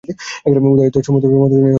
উদয়াদিত্য সমস্ত শুনিয়া বিস্মিত হইলেন।